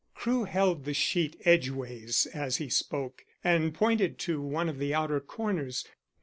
Crewe held the sheet edgeways as he spoke, and pointed to one of the outer corners.